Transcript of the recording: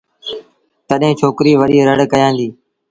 تڏهيݩ ڇوڪريٚ وڏيٚ رڙ ڪيآݩدي